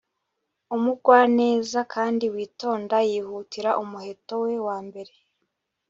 umugwaneza kandi witonda, yihutira umuheto we wa mbere